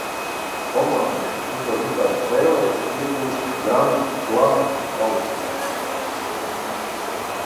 "Komanda, kas uzvar visās spēlēs, iegūst "Grand Slam" kausu."